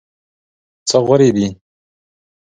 څه غورې دي.